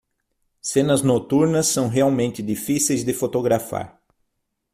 Cenas noturnas são realmente difíceis de fotografar